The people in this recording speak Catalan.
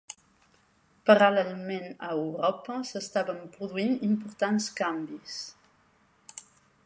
Paral·lelament a Europa s'estaven produint importants canvis.